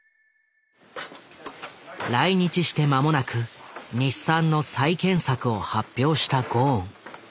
来日して間もなく日産の再建策を発表したゴーン。